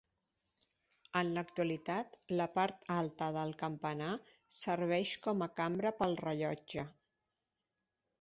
En l'actualitat la part alta del campanar serveix com a cambra pel rellotge.